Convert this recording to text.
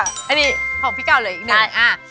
แล้วว่าอันนี้ของพี่เก่าเลยอีกหนึ่ง